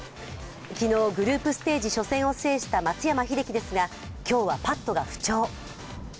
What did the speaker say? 昨日、グループステージ初戦を制した松山英樹ですが、今日はパットが不調。